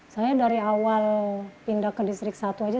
saya dari awal pindah ke distrik satu aja